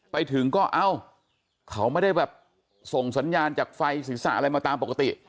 ไปถึงก็เอ้าเขาไม่ได้แบบส่งสัญญาณจากไฟศีรษะอะไรมาตามปกติ